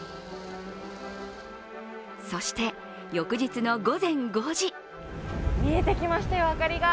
そして、翌日の午前５時。